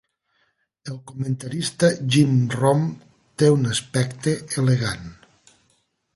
El comentarista Jim Rome té un aspecte elegant